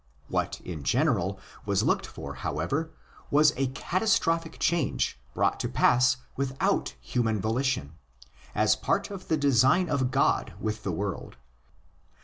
What in general was looked for, however, was ἃ catastrophic change brought to pass without human volition, as part of the design of God with the world.